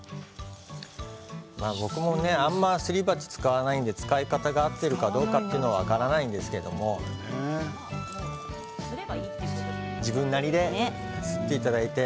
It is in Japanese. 僕もあんまりすり鉢を使わないので使い方が合っているかどうか分からないんですけど自分なりですっていただいて。